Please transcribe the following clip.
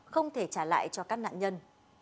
không thể trả lại cho các nạn nhân